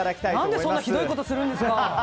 何でそんなひどいことするんですか！